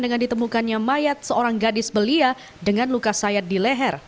dengan ditemukannya mayat seorang gadis belia dengan luka sayat di leher